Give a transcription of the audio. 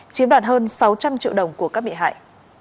chiếm đoạt hơn sáu trăm linh triệu đồng của các bị hại